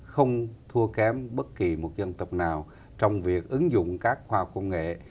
không thua kém bất kỳ một dân tộc nào trong việc ứng dụng các khoa công nghệ